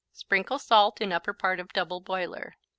Sprinkle salt in upper part of double boiler.